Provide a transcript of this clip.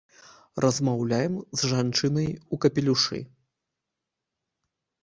Размаўляем з жанчынай ў капелюшы.